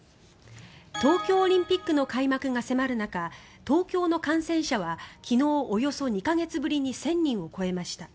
東京オリンピックの開幕が迫る中東京の感染者は昨日およそ２か月ぶりに１０００人を超えました。